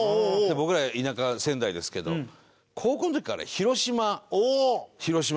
僕ら田舎仙台ですけど高校の時かな広島。